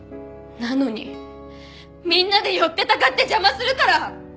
なのにみんなで寄ってたかって邪魔するから！